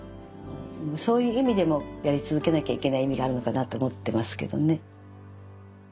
そういう意味でもやり続けなきゃいけない意味があるのかなって思ってますけどね。